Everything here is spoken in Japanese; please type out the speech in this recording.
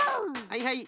はいはい。